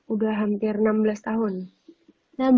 udah hampir enam belas tahun